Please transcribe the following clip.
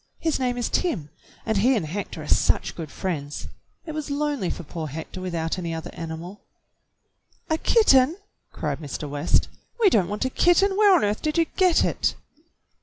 His name is Tim, and he and Hector are such good friends. It was lonely for poor Hector without any other animal." "A kitten!" cried Mr. West. "We don't want a kitten. Where on earth did you get it.